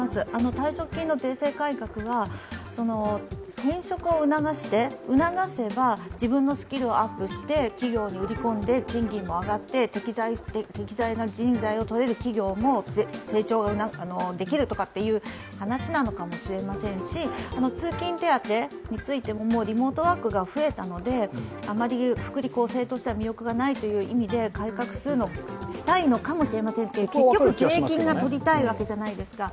退職金の税制改革は、転職を促して、促せば自分のスキルをアップして企業に売り込んで、賃金も上がって適材の人材を採れる企業も成長ができるとかという話なのかもしれませんし、通勤手当についても、リモートワークが増えたのであまり福利厚生としては魅力がないという意味で改革したいのかもしれませんという、結局、税金が取りたいわけじゃないですか。